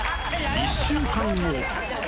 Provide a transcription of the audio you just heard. １週間後。